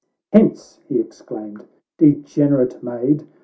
" Hence," he exclaimed, " degenerate maid